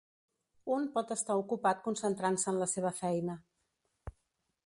Un pot estar ocupat concentrant-se en la seva feina.